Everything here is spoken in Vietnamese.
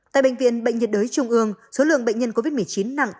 tại bệnh viện bệnh nhiệt đới trung ương số lượng bệnh nhân covid một mươi chín nặng